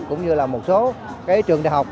cũng như là một số trường đại học